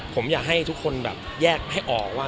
ผมอยากให้ทุกคนแบบแยกให้ออกว่า